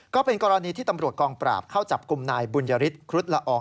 ก็เป็นกรณีที่ตำรวจกองปราบเข้าจับกลุ่มนายบุญยฤทธิครุฑละออง